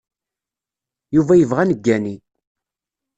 Yuba yebɣa ad neggani.